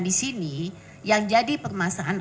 disini yang jadi permasaan